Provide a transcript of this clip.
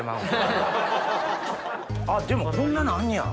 あっでもこんななんねや。